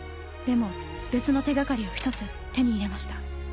でも別の手掛かりを１つ手に入れました